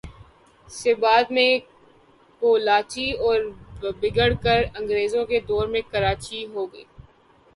سے بعد میں کولاچی اور بگڑ کر انگریزوں کے دور میں کراچی ھو گئی